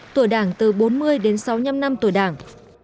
tuổi đảng từ bốn mươi đến sáu mươi năm năm tuổi đảng